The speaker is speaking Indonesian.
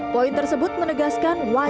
poin tersebut menegaskan